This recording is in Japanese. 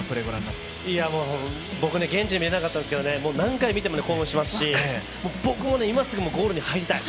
僕、現地、見れなかったんですけど、何回見ても興奮しますし僕も今すぐゴールに入りたい！